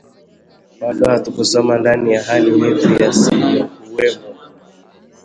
bado hatukusoma ndani ya hali yetu yasiyokuwemo